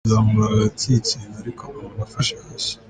Kuzamura agatsinsino ariko amano afashe hasi:.